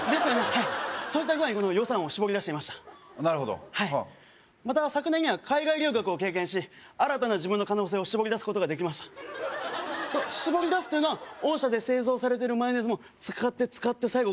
はいそういった具合にこの予算をしぼり出していましたなるほどはあはいまた昨年には海外留学を経験し新たな自分の可能性をしぼり出すことができましたあっしぼり出すというのは御社で製造されてるマヨネーズも使って使って最後